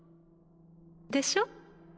でしょ？